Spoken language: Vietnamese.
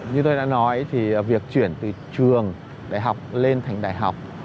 như tôi đã nói thì việc chuyển từ trường đại học lên thành đại học